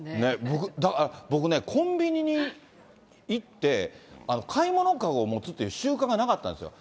僕ね、コンビニに行って、買い物かご持つっていう習慣がなかったんですよ。